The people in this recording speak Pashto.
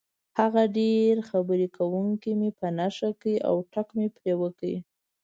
هغه ډېر خبرې کوونکی مې په نښه کړ او ټک مې پرې وکړ.